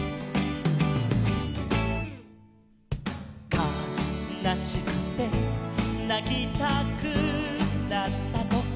「かなしくてなきたくなったとき」